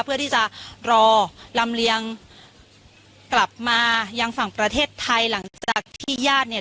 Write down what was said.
เพื่อที่จะรอลำเลียงกลับมายังฝั่งประเทศไทยหลังจากที่ญาติเนี่ย